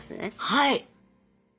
はい！